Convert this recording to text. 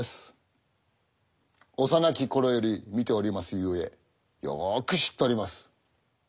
幼き頃より見ておりますゆえよく知っております。